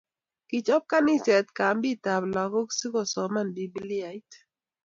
Kichob kanisa kambit ab lokok so kosoman bibiliait